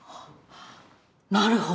なるほど。